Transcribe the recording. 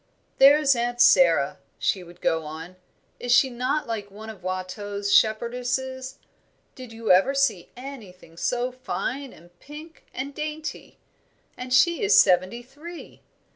"There's Aunt Sara," she would go on, "is she not like one of Watteau's Shepherdesses? Did you ever see anything so fine and pink and dainty? and she is seventy three.